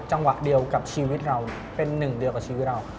จังหวะเดียวกับชีวิตเราเป็นหนึ่งเดียวกับชีวิตเรา